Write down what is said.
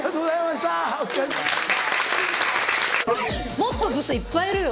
もっとブスいっぱいいるよ。